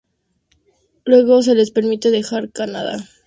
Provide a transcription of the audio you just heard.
Luego se les permite dejar Canadá, con la condición de que jamás regresen.